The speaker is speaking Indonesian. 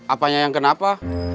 apanya yang kenapa